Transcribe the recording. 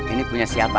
ini punya siapa